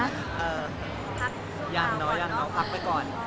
ยันเนอะยันเนอะพักไว้ก่อน